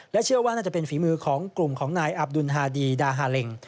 เชื่อว่าน่าจะเป็นฝีมือของกลุ่มของนายอับดุลฮาดีดาฮาเล็ง